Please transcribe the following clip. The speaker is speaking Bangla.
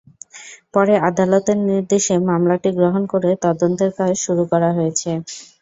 পরে আদালতের নির্দেশে মামলাটি গ্রহণ করে তদন্তের কাজ শুরু করা হয়েছে।